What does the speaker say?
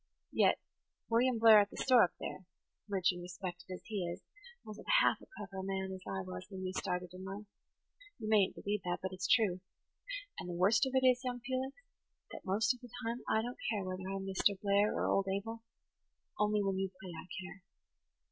Yet William Blair at the store up there, rich and respected as he is, wasn't half as clever a man as I was when we started in life: you mayn't believe that, but it's true. And the worst of it is, young Felix, that most of the time I don't care whether I'm Mr. Blair or old Abel. Only when you play I care.